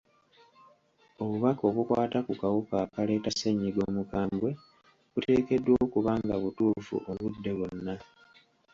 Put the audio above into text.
Obubaka obukwata ku kawuka akaleeta ssennyiga omukambwe buteekeddwa okuba nga butuufu obudde bwonna.